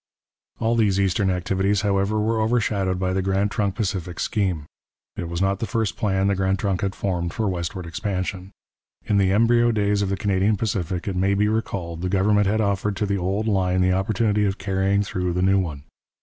All these eastern activities, however, were overshadowed by the Grand Trunk Pacific scheme. It was not the first plan the Grand Trunk had formed for westward expansion. In the embryo days of the Canadian Pacific, it may be recalled, the government had offered to the old line the opportunity of carrying through the new one.